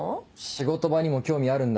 仕事場にも興味あるんだって。